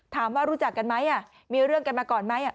รู้จักกันไหมมีเรื่องกันมาก่อนไหม